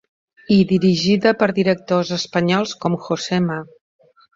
I dirigida per directors espanyols com José Ma.